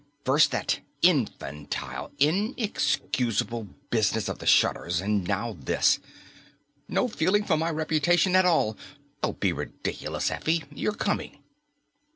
First that infantile, inexcusable business of the shutters, and now this! No feeling for my reputation at all. Don't be ridiculous, Effie. You're coming!"